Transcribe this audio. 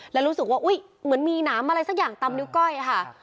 แล้วรู้สึกว่าอุ๊ยเหมือนมีหนามอะไรสักอย่างตามนิ้วก้อยค่ะ